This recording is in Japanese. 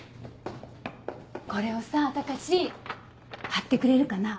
これをさ高志貼ってくれるかな？